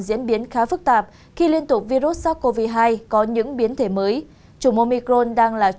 diễn biến khá phức tạp khi liên tục virus sars cov hai có những biến thể mới chủng omicron